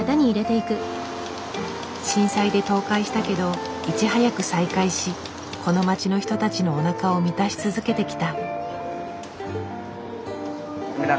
震災で倒壊したけどいち早く再開しこの街の人たちのおなかを満たし続けてきた。